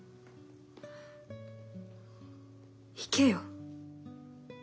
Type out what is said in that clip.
行けよ。